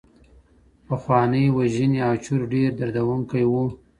پخوانۍ وژنې او چور ډېر دردونکي وو.